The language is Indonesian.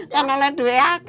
kan oleh dua ibu